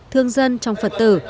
thương dân trong phật tử